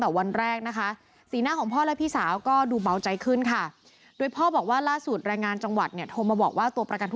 ก็น่าจะเป็นครอบครัวของนายครงกิจชมบัวแล้วแรงเท้นที่ที่ถูกจับเป็นตัวประกันนะคะ